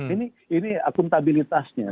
ini ini akuntabilitasnya